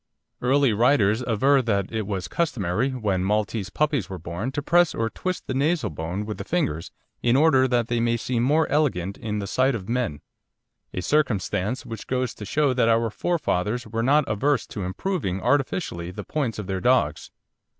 Early writers aver that it was customary when Maltese puppies were born to press or twist the nasal bone with the fingers "in order that they may seem more elegant in the sight of men" a circumstance which goes to show that our forefathers were not averse to improving artificially the points of their dogs.